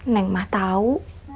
neng mah tau